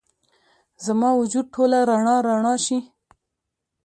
زما وجود ټوله رڼا، رڼا شي